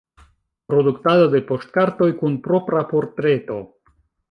Produktado de poŝtkartoj kun propra portreto.